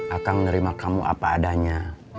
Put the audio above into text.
akang nerima kamu apa adanya